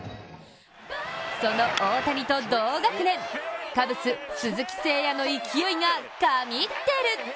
その大谷と同学年、カブス・鈴木誠也の勢いが神ってる！